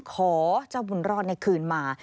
ขอเจ้าบุญรอดในคืนมา